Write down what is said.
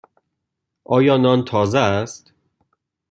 آیا نان تازه است؟